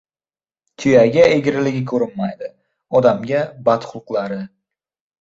• Tuyaga egriligi ko‘rinmaydi, odamga — badxulqlari.